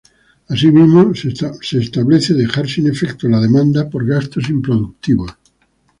Asimismo, se establece dejar sin efecto la demanda por gastos improductivos.